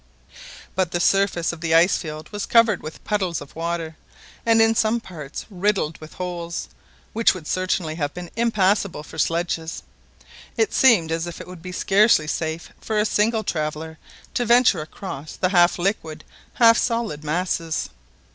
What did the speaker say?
But the surface of the ice field was covered with puddles of water, and in some parts riddled with holes, which would certainly have been impassable for sledges. It seemed as if it would be scarcely safe for a single traveller to venture across the half liquid, half solid masses.